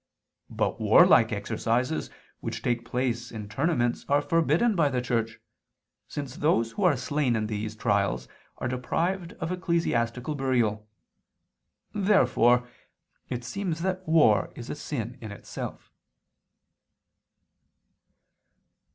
But warlike exercises which take place in tournaments are forbidden by the Church, since those who are slain in these trials are deprived of ecclesiastical burial. Therefore it seems that war is a sin in itself.